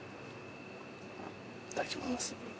いただきます。